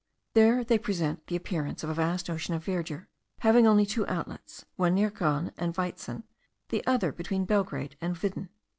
There they present the appearance of a vast ocean of verdure, having only two outlets, one near Gran and Waitzen, the other between Belgrade and Widdin.